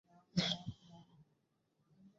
আমাদের মিশনটা ভুল ছিল।